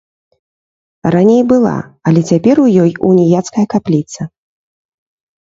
Раней была, але цяпер у ёй уніяцкая капліца.